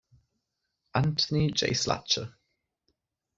Anthony J. Slatcher.